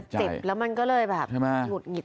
อาจจะเจ็บแล้วมันก็เลยหงุดหงิด